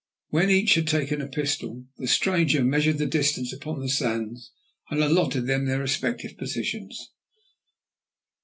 When each had taken a pistol, the stranger measured the distance upon the sands and allotted them their respective positions.